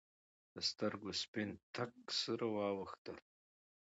د سترګو سپین تک سره واوختېدل.